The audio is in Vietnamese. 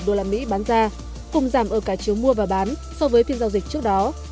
đô la mỹ bán ra cùng giảm ở cả chiều mua và bán so với phiên giao dịch trước đó